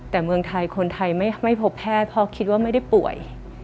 แต่เมืองไทยคนไทยไม่พบแพทย์เพราะคิดว่าไม่ได้ป่วย